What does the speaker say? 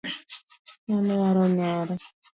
Ng'ani ohero nyare